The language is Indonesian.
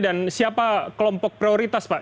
dan siapa kelompok prioritas pak